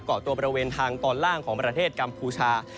เกาะตัวบริเวณทางตอนล่างของประเทศกัมพูชา